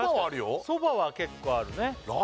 確かにそばは結構あるね